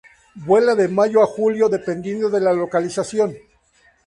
Vuela de mayo a julio, dependiendo de la localización.